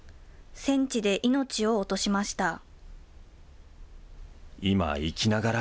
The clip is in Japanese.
戦地で命を落としました。